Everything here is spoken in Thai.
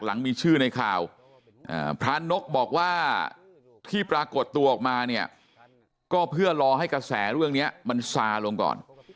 หลังมีชื่อในข่าวพระนกบอกว่าที่ปรากฏตัวออกมาเนี่ยก็เพื่อรอให้กระแสเรื่องนี้มันซาลงก่อน